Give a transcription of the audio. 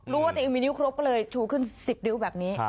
รู้ว่าเต็มก็เลยชูขึ้น๑๐นิ้วแบบนี้